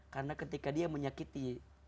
karena ketika dia menyakiti